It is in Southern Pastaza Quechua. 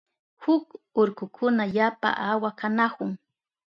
huk urkukuna yapa awa kanahun.